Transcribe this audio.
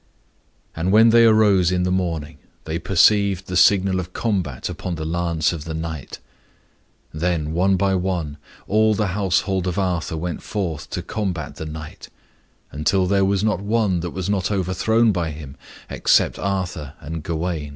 And when they arose in the morning, they perceived the signal of combat upon the lance of the knight. Then, one by one, all the household of Arthur went forth to combat the knight, until there was not one that was not overthrown by him, except Arthur and Gawain.